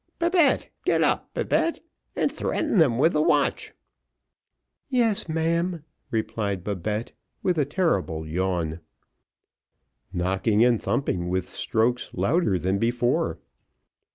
"Babette, get up, Babette and threaten them with the watch." "Yes, ma'am," replied Babette, with a terrible yawn. Knocking and thumping with strokes louder than before.